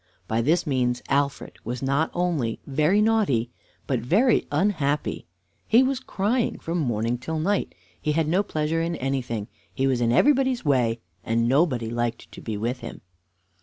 By this means Alfred was not only very naughty, but very unhappy. He was crying from morning till night. He had no pleasure in anything; he was in everybody's way, and nobody liked to be with him.